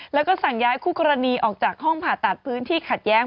แล้วก็สั่งย้ายคู่กรณีออกจากห้องผ่าตัดพื้นที่ขัดแย้ง